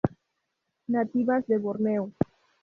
Nativas de Borneo.